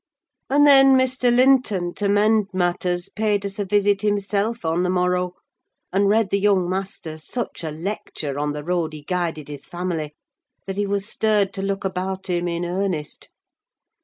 And then Mr. Linton, to mend matters, paid us a visit himself on the morrow, and read the young master such a lecture on the road he guided his family, that he was stirred to look about him, in earnest.